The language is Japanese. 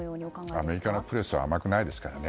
アメリカのプレスは甘くないですからね。